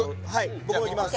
はい僕もいきます